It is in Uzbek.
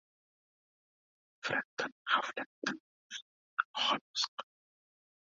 Nafratdan, g‘aflatdan o‘zni xalos qil